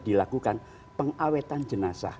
dilakukan pengawetan jenazah